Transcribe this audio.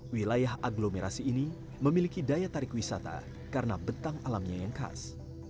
wilayah agglomerasi ini memiliki daya tarik wisata karena bentang alamnya yang khas